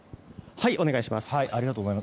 はい、お願いします。